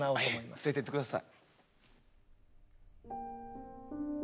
連れてって下さい。